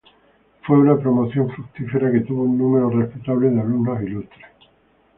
Fue una promoción fructífera que tuvo un número respetable de alumnos ilustres.